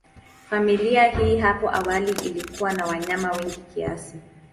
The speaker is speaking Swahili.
Familia hii hapo awali ilikuwa na wanyama wengi kiasi.